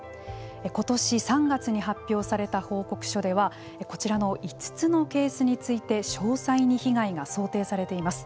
今年３月に発表された報告書ではこちらの５つのケースについて詳細に被害が想定されています。